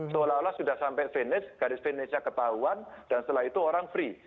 seolah olah sudah sampai finish garis finishnya ketahuan dan setelah itu orang free